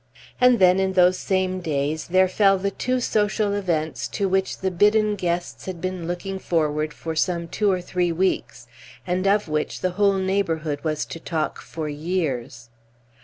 And then, in those same days, there fell the two social events to which the bidden guests had been looking forward for some two or three weeks, and of which the whole neighborhood was to talk for years.